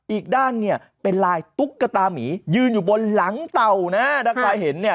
อีกด้านเป็นลายตุ๊กกระตาหมียืนอยู่บนหลังเตานะถ้าใครเห็น